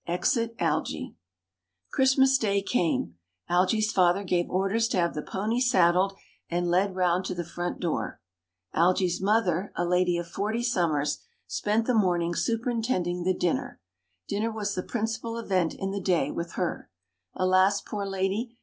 EXIT ALGY Christmas Day came. Algy's father gave orders to have the pony saddled, and led round to the front door. Algy's mother, a lady of forty summers, spent the morning superintending the dinner. Dinner was the principal event in the day with her. Alas, poor lady!